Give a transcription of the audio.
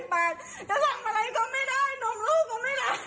ไหนไหนแฟน